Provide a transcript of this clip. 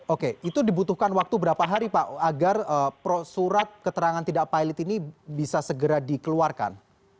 oke itu dibutuhkan waktu berapa hari pak agar surat keterangan tidak pilot ini bisa segera dikeluarkan